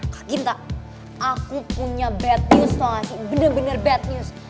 kak ginta aku punya bad news tau gak sih bener bener bad news